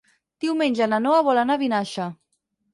Diumenge na Noa vol anar a Vinaixa.